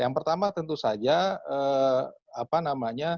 yang pertama tentu saja